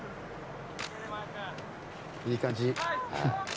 いい感じ。